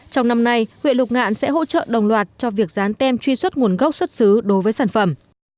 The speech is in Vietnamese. trong năm nay huyện lục ngạn sẽ hỗ trợ đồng loạt cho việc dán tem truy xuất nguồn gốc xuất xứ đối với sản phẩm